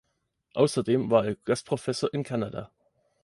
Außerdem war er Gastprofessor in Kanada.